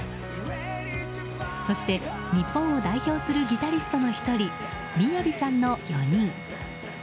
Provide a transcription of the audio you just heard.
そして日本を代表するギタリストの１人ＭＩＹＡＶＩさんの４人。